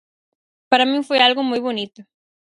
Para min foi algo moi bonito.